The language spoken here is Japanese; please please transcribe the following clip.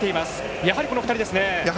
やはり、この２人ですね。